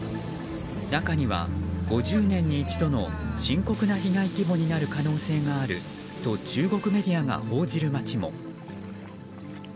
中には５０年に一度の深刻な被害規模になる可能性があると中国メディアが報じる街も。